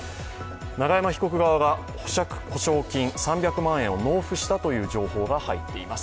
永山被告側が保釈保証金３００万円を納付したという情報が入っています。